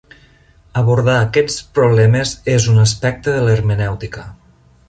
Abordar aquests problemes és un aspecte de l'hermenèutica.